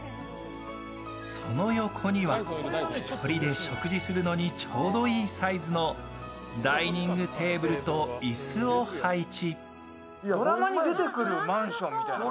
その横には、１人で食事するのにちょうどいいサイズのダイニングテーブルと椅子を配置。